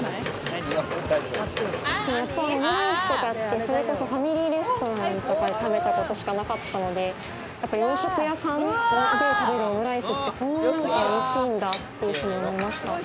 オムライスとかってファミリーレストランとかで食べたことしかなかったので、洋食屋さんで食べるオムライスって、こんなにおいしいんだっていうふうに思いました。